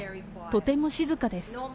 とても静かです。